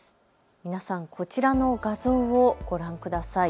皆さん、こちらの画像をご覧ください。